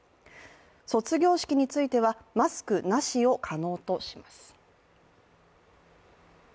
卒業式についてはマスクなしを可能とします。